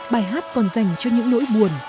bài hát còn dành cho những nỗi buồn